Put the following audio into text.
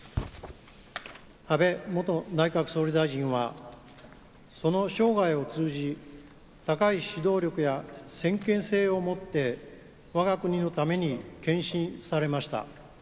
安倍元内閣総理大臣はその生涯を通じ、高い指導力や先見性を持って、我が国のために献身されました。